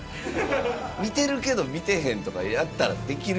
見てるけど見てへんとかやったらできる。